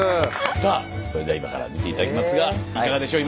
さあそれでは今から見て頂きますがいかがでしょう？